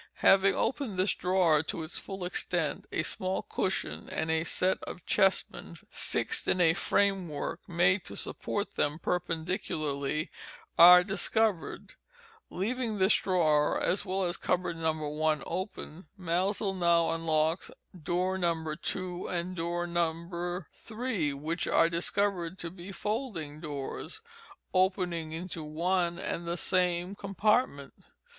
Having opened this drawer to its full extent, a small cushion, and a set of chessmen, fixed in a frame work made to support them perpendicularly, are discovered. Leaving this drawer, as well as cupboard No. 1 open, Maelzel now unlocks door No. 2, and door No. 3, which are discovered to be folding doors, opening into one and the same compartment.